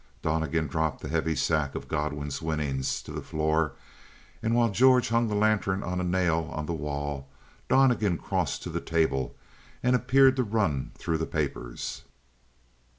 Donnegan dropped the heavy sack of Godwin's winnings to the floor, and while George hung the lantern on a nail on the wall, Donnegan crossed to the table and appeared to run through the papers.